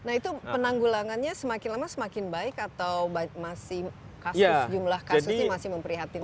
nah itu penanggulangannya semakin lama semakin baik atau masih jumlah kasusnya masih memprihatinkan